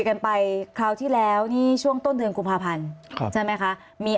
กันไปคราวที่แล้วนี่ช่วงต้นเดือนกุมภาพันธ์ครับใช่ไหมคะมี